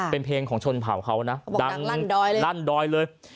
เป็นเพลงของชนเผ่าเขานะดังลั่นดอยเลย